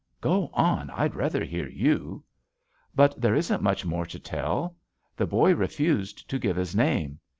"Go on. I'd rather hear you." "But there isn't much more to tell. The boy refused to give his name.